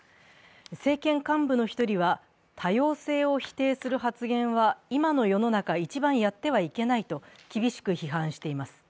政権幹部の１人は、多様性を否定する発言は、今の世の中、一番やってはいけないと厳しく批判してしています。